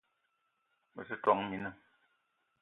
Me te , tόn mina